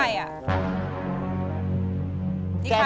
ไอ้ใครอะ